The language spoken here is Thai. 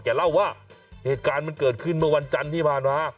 เล่าว่าเหตุการณ์มันเกิดขึ้นเมื่อวันจันทร์ที่ผ่านมา